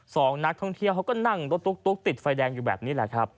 สองนักท่องเที่ยวเขาก็นั่งรถตุ๊กติดไฟแดงอยู่แบบนี้แหละครับ